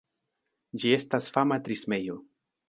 Ĝi estas fama trismejo.